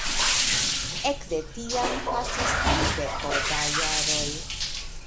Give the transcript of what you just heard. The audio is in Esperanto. Ekde tiam pasis trideko da jaroj.